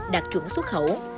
đạt chuẩn xuất khẩu